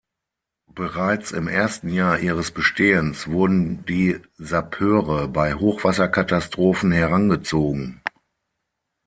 Bereits im ersten Jahr ihres Bestehens wurden die Sappeure bei Hochwasserkatastrophen herangezogen.